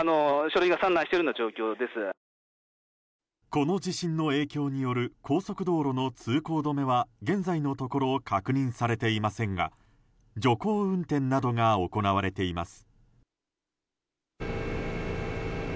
この地震の影響による高速道路の通行止めは現在のところ確認されていませんが徐行運転などが行われています。